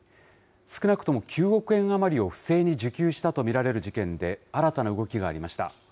少なくとも９億円余りを不正に受給したと見られる事件で、新たな動きがありました。